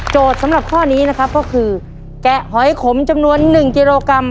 สำหรับข้อนี้นะครับก็คือแกะหอยขมจำนวน๑กิโลกรัม